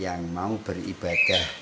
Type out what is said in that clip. yang mau beribadah